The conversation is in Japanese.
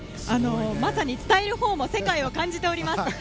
まさに伝えるほうも世界を感じております。